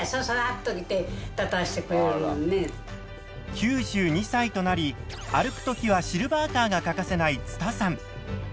９２歳となり歩く時はシルバーカーが欠かせないつたさん。